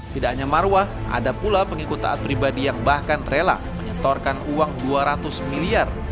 tidak hanya marwah ada pula pengikut taat pribadi yang bahkan rela menyetorkan uang dua ratus miliar